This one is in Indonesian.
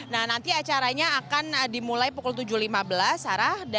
nah nanti acaranya akan dimulai pukul tujuh lima belas sarah